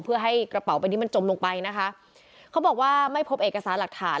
เพื่อให้กระเป๋าใบนี้มันจมลงไปนะคะเขาบอกว่าไม่พบเอกสารหลักฐาน